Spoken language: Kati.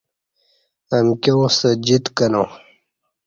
امکیوں ستہ جیت کنہ